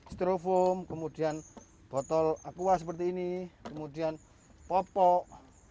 strofom kemudian botol akua seperti ini kemudian popok